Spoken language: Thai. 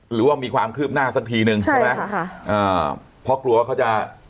หรือว่ามีความคืบหน้าสักทีนึงใช่ไหมใช่ค่ะอ่าเพราะกลัวว่าเขาจะ